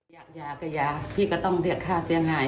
อยากอยากก็อยากพี่ก็ต้องเลือกข้าเทียงหาย